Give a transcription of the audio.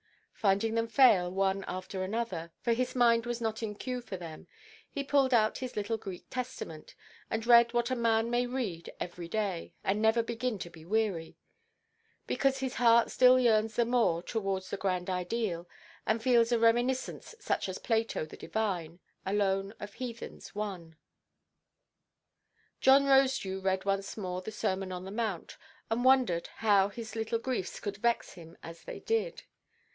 Finding them fail, one after another, for his mind was not in cue for them, he pulled out his little Greek Testament, and read what a man may read every day, and never begin to be weary; because his heart still yearns the more towards the grand ideal, and feels a reminiscence such as Plato the divine, alone of heathens, won. John Rosedew read once more the Sermon on the Mount, and wondered how his little griefs could vex him as they did.